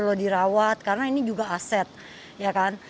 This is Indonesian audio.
kalau dirawat karena ini juga aset ya kan